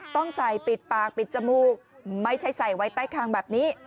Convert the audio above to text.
ต้องใส่ปิดปากปิดจมูกไม่ใช่ใส่ไว้ใต้คางแบบนี้